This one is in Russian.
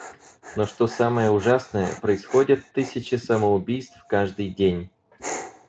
Но что самое ужасное, происходят тысячи самоубийств каждый день.